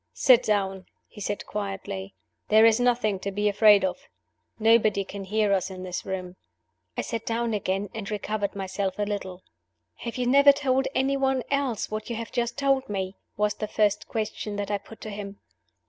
"Sit down," he said, quietly. "There's nothing to be afraid of. Nobody can hear us in this room." I sat down again, and recovered myself a little. "Have you never told any one else what you have just told me?" was the first question that I put to him.